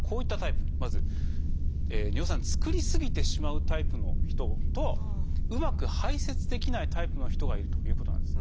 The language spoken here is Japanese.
まず尿酸作りすぎてしまうタイプの人とうまく排せつできないタイプの人がいるということなんです。